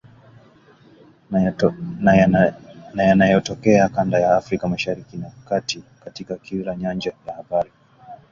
na yanayotokea kanda ya Afrika Mashariki na Kati, katika kila nyanja ya habari